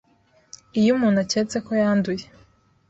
iyo umuntu aketse ko yanduye,